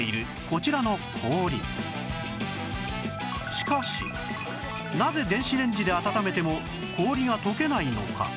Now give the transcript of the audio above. しかしなぜ電子レンジで温めても氷が溶けないのか？